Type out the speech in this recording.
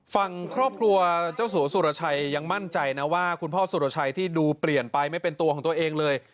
ฟังครอบครัวเจ้าสัวสุรชัยยังมั่นใจนะว่าคุณพ่อสุรชัยที่ดูเปลี่ยนไปไม่เป็นตัวของตัวเองเลย